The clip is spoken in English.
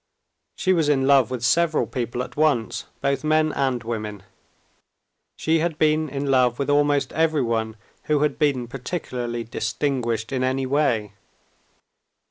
She was in love with several people at once, both men and women; she had been in love with almost everyone who had been particularly distinguished in any way.